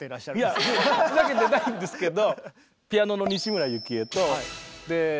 いやふざけてないんですけど。